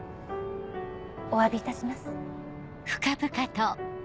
お詫びいたします。